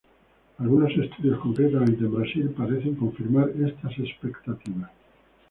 Algunos estudios, concretamente en Brasil, parecen confirmar estas expectativas.